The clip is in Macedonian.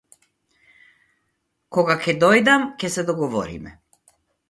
Кога ќе дојдам ќе се договориме.